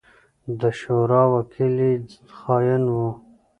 د شورا وکيل يې خائن وو.